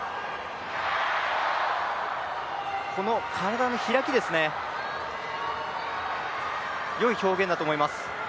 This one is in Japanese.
この体の開きですね、よい表現だと思います。